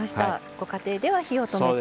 ご家庭では火を止めて。